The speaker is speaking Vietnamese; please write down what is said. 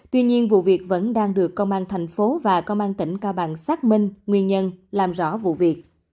tuy nhiên vụ việc vẫn đang được công an thành phố và công an tỉnh cao bằng xác minh nguyên nhân làm rõ vụ việc